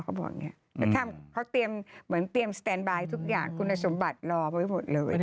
เขาเตรียมเหมือนเตรียมสแตนบายทุกอย่างคุณสมบัติรอไว้หมดเลย